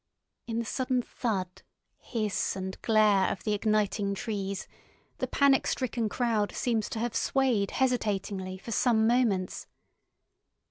In the sudden thud, hiss, and glare of the igniting trees, the panic stricken crowd seems to have swayed hesitatingly for some moments.